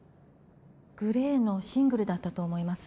グレーのシングルだったと思います